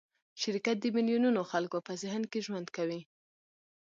شرکت د میلیونونو خلکو په ذهن کې ژوند کوي.